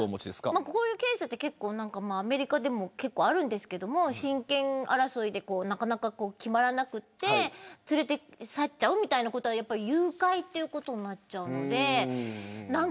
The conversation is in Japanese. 結構こういうケースってアメリカでも結構あるんですけど親権争いがなかなか決まらなくて連れ去っちゃうみたいなことは誘拐ということになるので。